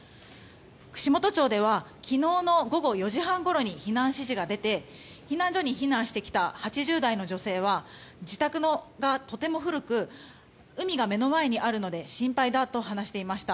串本町では昨日の午後４時半ごろに避難指示が出て避難所に来た８０代の女性は自宅がとても古く海が目の前にあるので心配だと話していました。